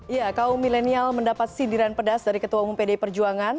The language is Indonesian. ya kaum milenial mendapat sindiran pedas dari ketua umum pdi perjuangan